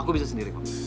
aku bisa sendiri